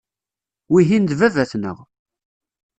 Wihin d baba-tneɣ.